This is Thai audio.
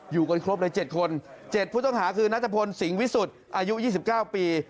อยู่กันครบเลยเจ็ดคนเจ็ดผู้ต้องหาคือนัทพลสิงห์วิสุธอายุ๒๙ปี